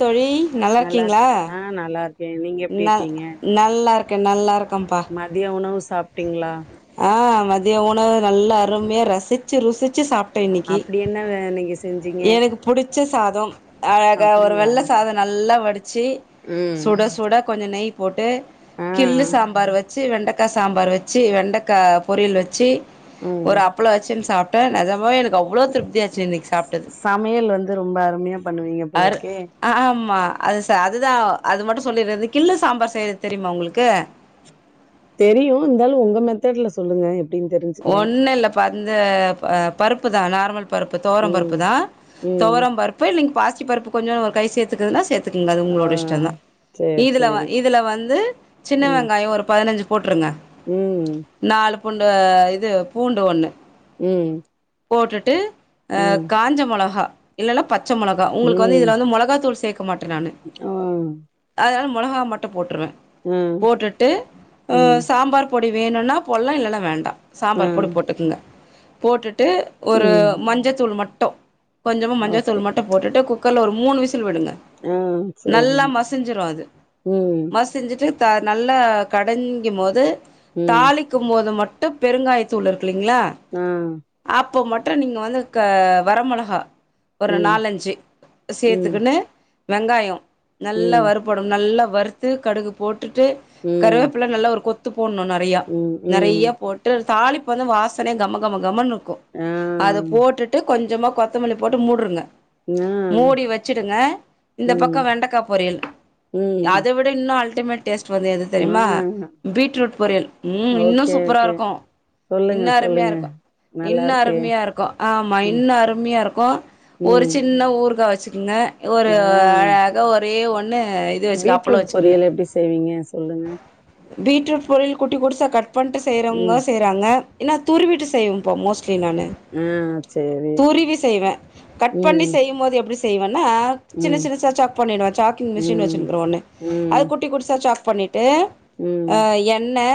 தோழி நல்லா இருக் இருக்கீங்களா ஆ நல்லா இருக்கே நீங்க எப்டி நா இருக்கீங்க நல்லா இரு நல்லா இருக் மதிய உணவு சாப்பிட்டீங்களா ஆ மதிய உணவு நல்லா அருமையா ரசிச்சி ருசிச்சி சாப்பிட் ட்ட இன்னிக்கி அப்டி என்ன வே- நீங்க செஞ்சீங்க எனக்கு புடிச்ச சாதம் அழகா ஒரு அப்டிங்களா வெள்ள சாதம் நல்லா வடிச்சு ம் சுட சு இந்த நெய் போட்டு ஆ கிள்ளு சாம்பார் வச் ச்சு வெண்டைக்கா சாம்பார் வச்சு வெண்டைக்கா பொரியல் வச்சு ம் ஒரு அப்பளோ வச்சுன்னு சாப் ட நெஜமா எனக் கு அவ்ளோ திருப்தியா இருந்ச்சி இன்னைக்கு சாப்ட்டது சமையல் வந்து ரொம்ப அருமையா பண்ணுவீங்க போல அரு இருக்கே ஆமா அது சா அதுதா அது மட்டு சொல்லிட்றது கிள்ளு சாம்பார் செய்றது தெரிமா உங்களுக்கு தெரியு இருந்தாலு உங்க மெத்தட்ல சொல்லுங்க எப்டின்னு தெரிஞ்சுக்கிறே ஒண்ணு இல்லப்பா இந்த ப பருப்புதா நார்மல் பருப்பு ம் தொவரம்பருப்புதா ம் தொவரம் பருப்பு நீங்க பாசி சிபருப்பு கொஞ்சோ ஒரு கை சேத்துக்குறதுனா சேத் துக்குங்க அது ஆ உங்களோட இஷ்டம்தா சேரி இதுல சேரி இதுல வந்து சின்ன ம் வெங்காயோ ஒரு பதினஞ்சு ட்ருங்க ம் நாலுப் பூண்டு அய் இது பூண்டு ஒண்ணு ம் போட்டுட்டு அ ம் காஞ்ச மொளகா இல்லன்னாப் பச்ச மொளகா உங்குளுக்கு வந்து ம் இதுல வந்து மொளகா தூள் சேக் க்கமாட்டே நானு ஆ அதனால ம் மொளகா மட்டூ போட்ருவேன் ஆ போட்டுட்டு அ ம் சாம்பார் பொடி வேணும்ன்னா போட்ல்லா இல்லன்னா வேண்டா ஆ சாம்பார் பொடு போட்டுக்குங்க போட்டுட் ஒரு ம் மஞ்சத்தூள் மட் டொ கொஞ்சமா ஓகே மஞ்சதூள் மட்டு போட்டுட்டு குக்கர்ல ஒரு மூணு விசி ல் விடுங்க ஆ நல்லா சேரிங்க மசிஞ்சிரு அது ம் மசிஞ்சுட்டு தா நல்லா கடைங்கும் மோது ம். தாளிக்கும் மோது மட் ட ப் பெருங்காயத் தூள் இருக் குல்லிங்களா ஆ. அப்போ மட்டு நீங்க வந்து க வரமொளஹா ஒரு ம். நாலஞ்சி ம். சேத்துகுனு வெங்காயொ நல்லா ம். வறுப்படன் நல்லா வறுத்து கடுகு போட் டுட்டு ம். கருவேப்புல நல்லா ஒரு கொத் போண்ணு நறையா ம். ம். நறைய போட்டு தாலிப்ப வந்து வாசனையா கம கம கமன்னு க்கு ஆ. அதப் போட்டுட்டு கொஞ் சமா கொத்தமல்லிப் போட்டு மூட்ருங்க ஆ. மூடி வச்சுடுங்க இந்த பக்கொ ம். வெண்டக்கா பொரியல் ம். அத விட இன்னு அல் ட்டிமேட் டேஸ்ட் வந்து எது ஆ. தெரிமா பீட்ரூட் பொரியல் ம் இன்னு ஓகே, சூப்பரா ஓகே. இருக்கு சொல்லுங்க, இன்னு அருமையா சொல்லுங்க. இருக்கு இன்னா நல்லாருக்கே. அருமையா இருக்கு ஆமா ம். இன்னா அருமையா இருக்கு ஒரு ம். சின்ன ஊருகா வ ங்க ஒரு ஆ. அழகா ஒரே ஒன் பீட்ரூட் பொரியல் எப்டி செய்வீங்க சொல்லுங்க பீட்ரூட் பொரியல் குட்டி குடுசா கட் பண்ட்டு செய்றவ்ங்க ம். செய்றாங்க இன்னா துருவிட்டு செய்வோ போ மோஸ் லி நானு ஆ சேரி. துருவி செய்வே கட் பண்ணி ம். செய்யும் போது எப்டி செய்வன் னா ம். சின்னச் சின்ன சாச்சாக் பண்ணிடுவ சாக்கிங் மிஷின் ம். வச்சிருக்குற ஒன்னு அது ம். குட்டி குடுசா சாக் பண்ணி ட்டு ஆ ம். எண்ணெ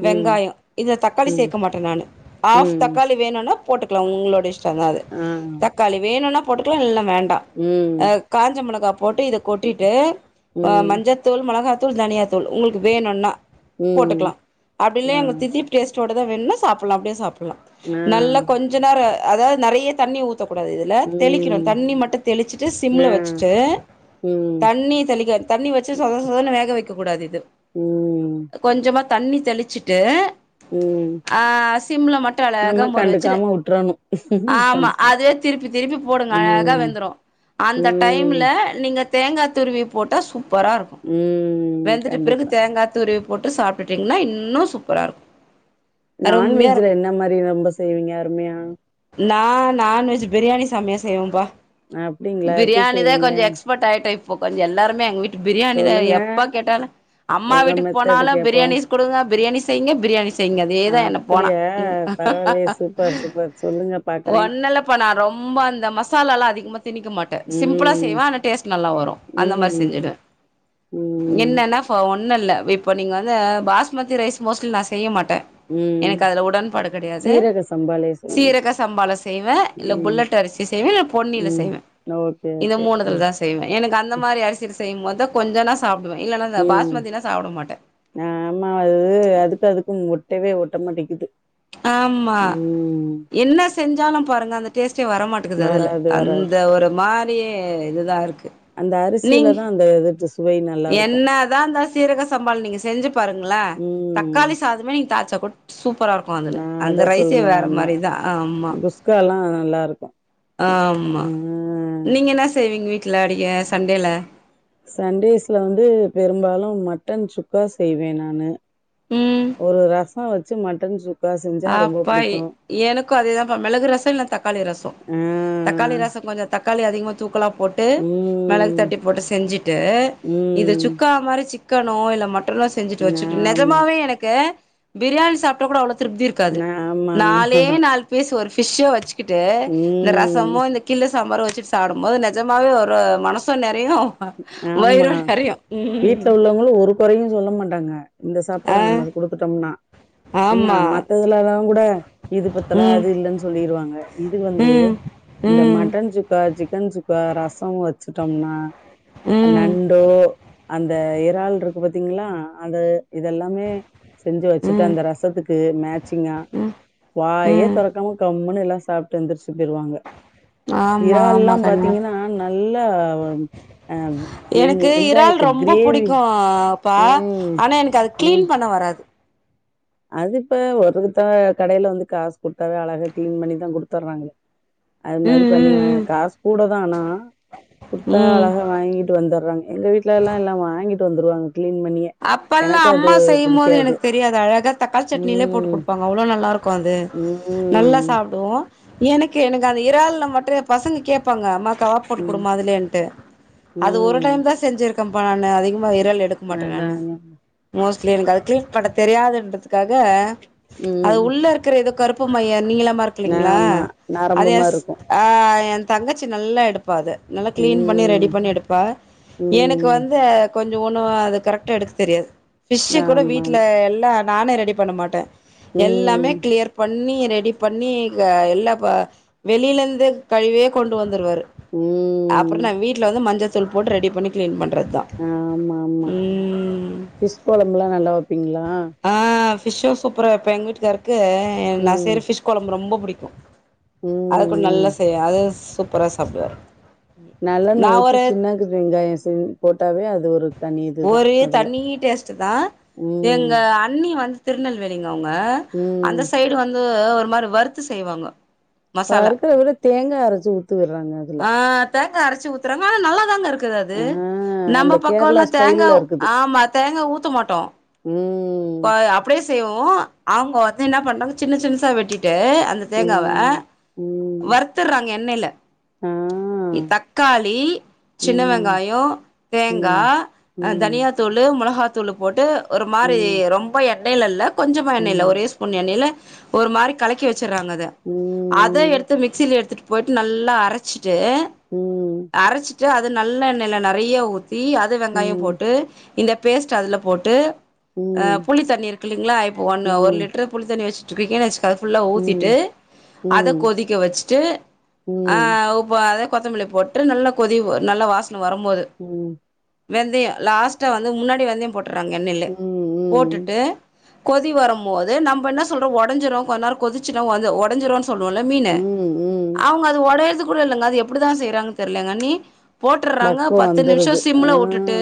ம். வெங்காயொ இத தக்காளி ம். சேக்க மாட்ட நானு ஆஃப் ம். தக்காளி வேணுனா போட்டுக்லா உங்களோட இ ஷ்டந்தா அது ஆ. தக்காளி வேணுனா போட்டுக்கலா இல்லனா வேண்டா ம். காஞ்ச மிளகா அப் போட்டு இத கொட்டிட்டு ம். மஞ்சத்தூள் மிளகாத்தூள் தூள் தனியா தூள் உங்ளுக்கு வேணுனா ம். போட்டுக்கலா அப்டில எங்க ஆ. தித்திப் டேஸ்ட் தொடதா வேணுணா சாப்டலாம் அப்டியே சாப்டலாம் ஆ நல்லா கொஞ்சோ நேர அதாவது நறையா தண்ணி ஊத் ஊத்த கூடாது இதுல தெளிக்கணும் ம் தண்ணி மட்டும் தெளிச்சிட்டு சிம்ல ஆ வச்சுட்டு ம் தண்ணி தெளிக்க தண்ணி வச்சு சொத சொத வேக வைக்க கூடாது இது ம் கொஞ்சமா தண்ணி தெளிச்சிட்டு ம் ஆஹ் சிம்ல மட் அழகா நம்ம முறிச்சு கண்டுக்காம உட்றணு ஆமா கொஞ்சோ அதே திருப்பி திருப்பி போடுங்க அழகா ம் வெந்துரும் அந்த ம் டைம்ல நீங்க தேங்கா துருவி போட்டா சூப் பரா இருக்கு ம் வெந்துட்ட பிறகு கண்டிப்பா தேங்கா துரு போட்டு சாப்பிட்டுட்டீங்கன்னா இன்னும் சூப்பரா இருக்கு அருமையா நான்வெஜ்ல இருக்கு என்ன மாரி நம் ரொம்ப செய்வீங்க அருமையா நான் நான்வெஜ் பிரியாணி செமையா செய்வேன்பா அப்டிங்களா எப்டி பிரியாணி தான் செய்வீங்க கொஞ்சோ எக்ஸ்பர்ட் ஆயிட்ட இப் இப்போ கொஞ்ச எல்லாருமே எங்க விட் பிரியாணி தான் சொல்லுங்க எப்பா கேட்டாலும் அம்மா உங்க வீட்டுக்கு மெத்தடு போனாலும் கேப்போ பிரியாணிஸ் குடுங்க பிரியாணிஸ் செய்ங்க பிரியாணிஸ் செய்ங்க அதேதான் என்ன போனா அப்டியா பரவாயில்லயே சூப்பர் சூப்பர் சொல்லுங்க பாக்குறே ஒன்னு இல்லப்பா நா ரொம்ப அந்த மசாலா அதிகமாத் திணிக்க மாட்டேன் சிம்பிளா ம் செய்வேன் ஆனா டேஸ்ட் நல்லா வரும் அந்த மாதிரி ம் செஞ்சிடுவேன் ம் என்னெனா ஃபர் ஒன் ஒன்னுல்ல இப்ப நீங்க வந்து பாஸ்மதி ரைஸ் மோஸ்ட்லி நான் செய்ய மாட்டேன் ம் எனக்கு அதுல உடன் பாடு எது சீரக சம்பாலே சொல்லுங்க சீரக சம்பாள செய்வேன் இல்ல ம் புல்லட் அரிசி செய்வேன் இல்ல பொன்னில ம் செய்வேன் ஓகே இந்த ஓகே அ. மூணுதுல தான் செய்வேன் எனக்கு அந்த மாதிரி அரிசில செய்யும் போதா கொஞ்ச நா சாப்பட உம் நான் ஆமா அது அதுக்கு அதுக்கும் ஒட் ஒட்டவே ஓட்ட மாட்டிக்குது ஆமா என்னஸ் செஞ்சாலும் பாருங்க அந்த டேஸ்ட் டே வரமாட்டேக்குது அதுல வராது வராது அந்த ஒரு மார் இப்பயே இதுதான் இருக்கு அந்த அரிசியில தான் அந்த இது டிஷ் என்னா தான் இந்த சீரக சம்பாள நீங்க செஞ்சு பாருங்களே ம் தக்காளி சாதமே நீங்க தாள்சப் [unintelligible] சூப் பறா இருக்கு அதுல நான் அந்த அதான் ரைசே சொல்லுங்க வேற மாரி தான் ஆமா நல்லாருக்கும் ஆமா நீங்க என்ன செய்வீங்க வீட் ட்ல அடிய சண்டேல சண்டேஸ்ல வந்து பெரும்பாலும் மட்டன் சுக்கா செய்வே நானு ம் ஒரு ரஸ் சோ வச்சு மட்டன் சுக் அப்பா எனக்கும் அதே தான்பா மிளகு ரசோ இல்ல தக்காளி ரசோ ஆ தக்காளி ரசோ கொஞ்சோ தக் காளி அதிகமா தூக்கலா போட்டு மெளகு ம் தட்டி போட்டு செஞ்சுட்டு இது ம் சுக்கா மாரி சிக் கனோ இல்ல மட் டனோ செஞ்சுட்டு வச்சுட்டு ஆமா நெஜமாவே எனக்கு பிரியாணி சாப்ட்டா கூட அவ்ளோ திருப்தி இருக்காது ஆமா நாலே ஆமா நாலு பீசு ஒரு பிஸ் யோ வச் கிட்டு இந்த ம் ரசமோ இந்த கிள்ளஸ் சம்பார வச்சுட்டு சாப்டும்போது நெஜமாவே ஒரு மனசும் நெறயும் ஆமா வீட்லவுள்ளவங்களும் ஒரு கொறயும் சொல்ல மாட்டாங்க இந்த சாப்பாட ஆ நம்ம அது குடுத்துட்டோம்னா என்னா ஆமா மத்ததுலலாம் கூட இது பத்தல ம் அதுயில்லன்னு சொல்லிருவாங்க இது வந்து ம் இந்த ம் மட்டன் சுக்கா சிக்கன் சுக்கா ரசம் வச் சுட்டம்னா ம் நண்டோ அந்த இறால்ருக்கு பாத்தீங்களா அது யிதெல்லாமே செஞ்சு வச்சுட்டு ம் அந்த ரசத்துக்கு மேச்சிங்கா ம் வாயே ம் தொறக்காம கம் - கம்முனுயெல்லாம் சாப்டு எந்த்- போயிருவாங்க ஆமா ஆமா இறால்லாம் கண்ணு பாத்தீங்கன்னா நல்லா அ வெங் எனக்கு இறால் வெங்காயத்த ரொம்ப கிரேவி புடிக்கும் ப்பா ம் ஆனா யெனக்கு அது ம் கிளீன் பண்ண வராது [inaudible] அது யிப்ப வொர்க்குத்தான் கடயில வந்து காசு குடுத்தாவே அழகா கிளீன் பண்ணிதான் குடுத்துர்றாங்களே அது மாதிரி ம் பண்ணிவ ம் காசு கூட தா ஆனா குடுத்தா ம் ம் அழகா வாங்கிட்டு வந்துர்றாங்க யெங்க வீட்டுலல்லாம் லா வாங்கிட்டு வந்துருவாங்க கிளீன் பண்ணியே அப்பல்லாம் எனக்கு அது அம்மா செய்யும்போது புடிக்காது எனக்கு தெரியாத வெக தக்காளி சட்னியிலே போட்டு ம் குடுப்பாங்க அவ்ளவு நல்லாருக்கும் அது நல்லா ம் சாப்டுவொம் எனக்கு எனக் அந்த இறள்ல மட்டும் பசங்க கேப் ப்பாங்க அம்மா கவாப் போட்டு ம் குடுமா அதுலன்ட்டு அது ஒரு ம் டைம் தான் செஞ்சிருக்கு [unintelligible] அதிகமா இறல அதாதா கிளீன்க்கு அது கிளின் பண்ண தெரியாதுன்றது க்காக அது ம் உள்ள இருக்கிற ஏதோ கருப் ப்பு மயர் நீங்களா மரகில்லேங்களா ஆமா அத நரம்பு மாரி எஸ் இருக்கு ஆ என் தங்கச்சி நல்லா எடுப் பத நல்லா கிளீன் பண்ணி ரெடி ம் பண்ணி எடுப்பா எனக்கு ம் வந்து கொஞ்சோ ஒன்வாத கரெக்டா எடுக்க தெரியாது பிஷ்சு கூட வீட்டுல ஆமாமா எல்ல நானே ரெடி பண்ண மாட்டே எல்லாமே ம் கிளியர் பண்ணி எ ரெடி பண்ணி க எல்லா பா வெளியலந்து கழிவியே கொண்டு வந்து துருவாரு அப்புறோ ம் நா வீட்டல வந்து மஞ்சத் தூள் போட்டு ரெடி பன்னி க்ளீன் பன் ஆ ஆமா ஆமா பிஷ்கொழம்பல்லா நல்லா வெப்பீங்களா விஷ்சு சூப்பர வேப்பே எங்வீட்டுகாரு [unintelligible] நா ம் செய்ற பிஷ் கொழம்பு ரொம்ப பு பிடிக்கு ம் அதுக்கு நல்ல ம் செய்ய அது ஸ் சூப்பரா சாப்டுவாரு நல்லெண்ண நா ஊத்தி ஒரு சின்ன வெங்காயோ செ போட்டாவே அது ஒரு தனி இதுதா ஒரே அதுல தண்ணி டேஸ்ட் தா ம் எங்க அண்ணி வந் திருநெல்வேலிங் அவங்க ம் அந்த சைடு வந் து ஒரு மாரி வருத்து செய்வாங்கொ வறுக்றதுக்கு தேங்காய் அரேச்சு ஊத்து விடுறாங்க அதுல தேங்க அரச்சு ஊத்துறாங்க ஆனா நல்லாதாங்க இருக் க்குது அது ஆ அந்த நம்ம கேரளா பக்கோல்ல தேங்கா ஸ்டைல்ல ஊ இருக்குது ஆமா தேங்கா ஊத்த மாட்டோ ம் ப அப்டியே செய்வோ அவங்க வந்து என்ன பண்ணாங்க சின்ன சின்சா வெட்டிட் டு அந்த தேங்கா வ ஆ ம் ம் வ றுத்துறாங்க எண்ணேயில ஆ தக்காளி சின்ன ம் வெங்காயயோ தேங்கா ம் ம் தனியா தூள் மொளகாத் தூளு போட்டு ஒரு மாரி ம் ரொம்ப எண்ணெய்ல இல்ல கொஞ்சமா எண்ணெயில ம் ஒரே ஸ்பூன் எண்ணெயில ஒரு மாரி கலக்கி வச் வச்சறாங்க அத ம் அத எடுத்து மிக்சியில எடுத்துட்டு போய்ட்டு நல்லா அரச்சு ட்டு ம் அரச்சிட் அது நல்லெண்ணல நெறைய ஊ த்தி அது வெங்காயம் ம் போட்டு இந்த பேஸ்ட் அதுல போட்டு ஆ ம் புளித்தண்ணி இருக்கு இல்லிங்களா இப்போ ஒன்னு ஒரு ம் லிட்டரு புளித்தண்ணி வச்சு [unintelligible] அது ஃபுல்லா ம் ம் ஊத்திட்டு அத ம் கொதிக்க வச்சுட்டு ஆ ம் அத கொத்தமல்லி போட்டு நல்ல கொதி வரு நல்ல வாச வரம்போது ம் வெந்தயம் லாஸ்ட்ட வந்து முன்னாடி வெந்தயம் போட் றாங்க எண்ணெயில்ல ம் போட்டுட்டு கொதி வரம் மோது நம்ப என்ன சொல்றோ உடஞ்சிரும் கொன்னநேரோ கொதிச்சுரு வந்து உடஞ்சிரும் சொ சொல்லுவோல மீனு ம் ம் அவுங்க அது உடயரதுக் [unintelligible] இல்லங்க அது எப்டிதா செய்யறாங்னு தெர்ல அண்ணி போட்டுறாங்க பக்குவோ பத்து வந்துருது நிமிஷம் ஆ சிம்முல வுட்டுட்டு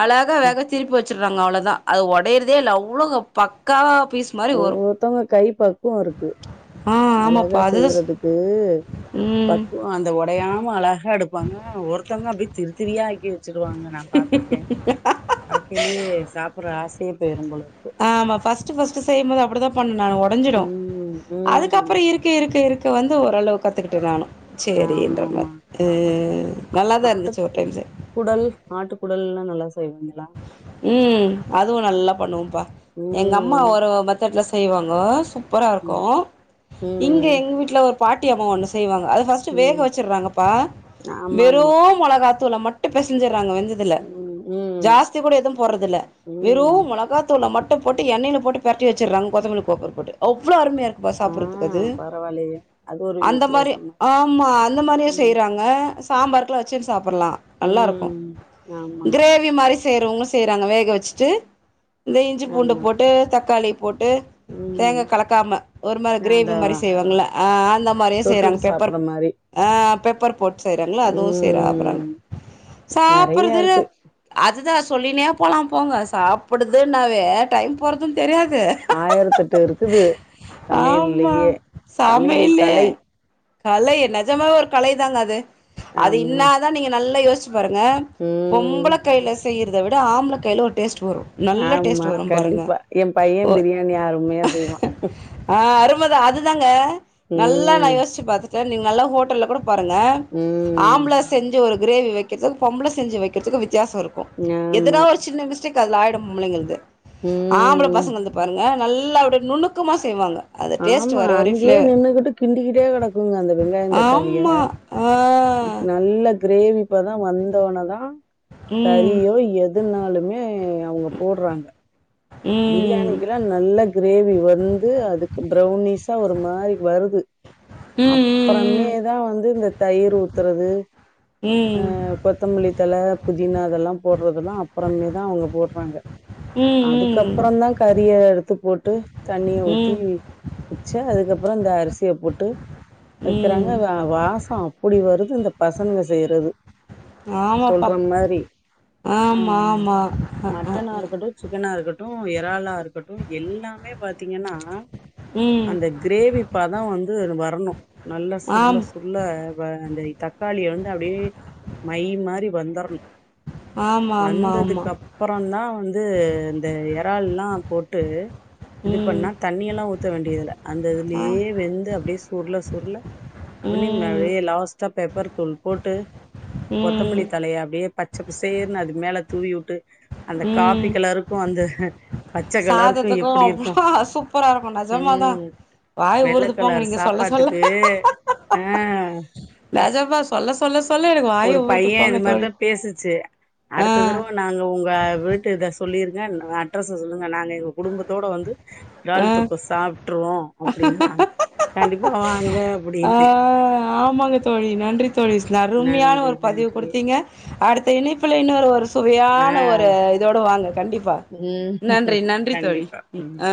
அழகா வேக திருப்பி வச்சு வச்சுறாங்க அவ்ளோ தா அது ஒடயிறதே இல்ல அவ்ளோ பக்காவா பீஸ் மாரி வரு ஒவ்வொருத்தோங்க கை பக்குவம் இருக்கு ஆ அழகா ஆமாப்பா அதுதா செய்றதுக்கு ம் பக்குவம் அந்த உடயாம அழகா எடுக்கு பாங்க ஒருத்தோங்க அப்டி திருத்திரியா எடு அப்டியே வச்சுருவாங்க நா பாத்திருக்கே பாக்கையிலயே சாப்புடுற ஆச [unintelligible] ஆமா ஃபஸ்ட் ஃபஸ்ட் மோது அப்படி தா பண்ணா உடைஞ்சிரும் ம் அதுக்க ம் அப்புற இருக்கு இருக்கு இருக்கு இது வந்து ஓரளவு கத்துக்கிட்டே நானு சேரி [unintelligible] ஆமா ஆமா ம் நல்லாதா இருந்துச்சு ஒரு டைம் செ ஆட்டுக்குடல் எல்லா நல்லா செய்வீங்களா உம் அதுவு நல்லா பண்ணுவோம்பா எங்க அம்மா ம் ஒரு மெத்தட்ல செய்வாங்கோ சூப்பரா இருக்கோ ம் இங்க ம் எங்க வீட்டில ஒரு பாட்டியம்மா ஒன்னு செய்வாங் அது பஸ்ட் வேக ம் வச்சடுறாங்கப்பா ஆமா வெறு ஆமா மொளகாத்தூ சோ நா மட்டுமே செஞ்சே இங்க வெஞ்சதுல ம் ம் ஜாஸ் கூட எதுவு போறதில்ல வெறு ம் மொளகா தூள மட் டு போட்டு எண்ணெயில போட்டு பெரட்டி வச்சிராங்க கொத்தமல்லி கவாப்ள போட்டு அவ்ளோ அருமயா இருக் குபா ஆ சாப்புடுறதுக்கு அது பரவாயில்லையே அது ஒரு அந்த மாரி வித்தியாசமா ஆமா அந்த மாரியே ம் செய்றாங்க சாம்பார்குள்ள வச்சி சாப் புலா நல்லா இருக்கோ ம் ஆமா ஆமா கிரேவி மாரி செய்றவங்களு செய்றாங்க வேக வச்சுட்டு இந்த இஞ்சி பூண்டு ஆமா போட்டு தக்காளி போட்டு ம் தேங்கா கலக்காம ஒரு மாதி கிரேவி அதா மாரி அதா செய்வாங்கள்ள அஹ் அந்த மாரியு செய்றாங்க தொட்டுட்டு பெப்பர் சாப்புட்ற மாரி அஹ் பெப் பெப்பர் போட் செய்றாங்களா அதுவு செய்றா அப்றா ம் நெறைய சாப்புறது இருக்கு அ அதுதா சொல்லினே போலா போங்க சாப்பிடுது நாவே டைம் போறதும் தெரியாத் ஆயிரத்து எட்டு இருக்குது ஆமா சமையல்லயே சமையல் சமையலே கலை கலை நெஜமாவே ஒரு கலைதாங்க அது அது ஆமா இன்னாதா நீங்க நல்லா யோசி ப்பாருங்க ம் பொம்பள கைல செய்யறத விட ஆம்பள கைல ஒரு டேஸ்ட் வரும் நல்ல ஆமா டேஸ்ட் வரும் பாருங்க கண்டிப்பா எ பையே ஓ பிரியாணி அருமையா செய்வா ஆ அருமதா அதுதாங்க நல்லா நா ம் யோசிச்சி பாத்தே தர் நீங்க நல்ல ஹோட்டல்ல கூட பாருங்க ம் ஆம்பள செஞ் கிரேவி வைக்கிறதுல பொம்பள செஞ்சு வைக்கிறதுக்கு வித்தியாச இருக் எதுனா ஆமா ஒரு சின்ன மிஸ்டேக் அதுல ஆயிடு பொம்பளைங்களுக் ஆம்பளை ம் பசங்க வந்து பாருங்க நல்ல எல்லாப்டைய நுணுக்கமா செய்வாங்க அந்த டேஸ்ட் ஆமா வர வரையும் அங்கேயே ஃப்ளேவர் நின்னுகிட்டு கிண்டிக்கிட்டே கடக்குங்க அந்த வெங்காய தக்காளிய ஆமா ஆ நல்ல கிரேவி இப்பதா வந்தோன தா ம் கறியோ எது நாளுமே அவுங்க போடுறாங்க ம் பிரியாணிக்கு ல்லா நல்ல கிரேவி வந்து அதுக்கு பரௌனிஸா ஒரு மாரி வருது ம் ம் அப்றேமேதா வந்து இந்த தயிர் ஊத்துறது ம் அஹ் கொத்தமல்லித்தழ பு தினா எல்லா போடுறதுெல்லா அப்றேமே தா அவுங்க போடுறாங்க அதுக்கப் ம் ம் தா கறியை எடுத்து போட்டு தண்ணிய ஊத்தி ம் வச்சு அதுக்கப்றோ இந்த அரிசியை போட்டு வைக்கிறாங்க ம் வாசம் அப்பிடி வரு இந்த பசங்க செய்றது ஆமாப்பா ஆ ஆமா ஆமா ஹா ஹா வு இறால இருக்கட்டு எல்லாமே பாத் திங்கன்னா ம் அந்த கிரேவி பதம் வந்து ரொம்ப வரணு நல்ல சுருள ஆம் சுருள வ அந்த தக்காளிய வந்து அப்பிடியே மை மாரி வந்தர்ணு ஆமா ஆமா ஆமா வந்ததுக்கப்பறந்தா வந் து இந்த எறால்லா போட்டு இது ம் பண்ணா தண்ணி எல்லா ஊத்த வேண்டியதில்ல அந்த ஆ இதுலயே வெந்து அப்டியே சுர்ள சுர்ள ம் [unintelligible] லாஸ் ட்டா பெப்பர் தூள் போட்டு கொத்தமல்லி ம் தழைய அப்டியே பச்ச பசேற்னு அதுக் மேல தூவி உட்டு அந்த காப்பி ம் கலரு க்கு அந்த சாதத்துக்கு எப்டி இருக்கு அவ்ளோ சூப்பரா இருக்கு நெஜமாதா ம் வாய் வெள்ள ஊறுது போங்க கலர் நீங்க சொல்ல சொல்ல சாப்பாட்டுக்கு ஆ நெஜமா சொல்ல சொல்ல சொல்ல எனக்கு வாயே ஒரு ஊறுது பைய இது போங்க தோழி மாரிதா பேசிச்சு ஆ அடுத்த தரவ நாங்க உங்க வீட்டு கெஸ் சொல்லிருங் க நா அட்ரஸ்ச சொல்லுங்க நாங்க எங்க குடும்பத்தோட வந்து ஆ தாலொ தொக்கு சாப்ட்டுருவோ அப்டின்னாங்க கண்டிப் போவாங்க ஆ ஆமாங்க தோழி நன்றி தோழி ஸ்ன அருமையான நன்றி ஒரு பதிவு நன்றி குடுத்தீங்க அடுத்த இணைப்புல இன்னொரு ஒரு ஆ சுவையான ஒரு இதோட வாங்க கண்டிப்பா ம் நன்றி நன்றி தோழி கண்டிப்பா ம் ஆ